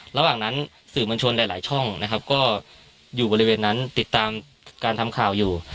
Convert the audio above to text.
ระหว่างนั้นสื่อมวลชนหลายช่องนะครับก็อยู่บริเวณนั้นติดตามการทำข่าวอยู่